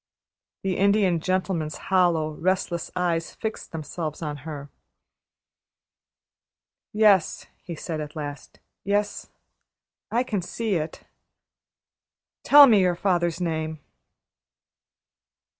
The Indian Gentleman's hollow, restless eyes fixed themselves on her. "Yes," he said at last. "Yes; I can see it. Tell me your father's name."